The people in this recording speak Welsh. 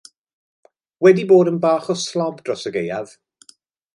Wedi bod yn bach o slob dros y gaeaf.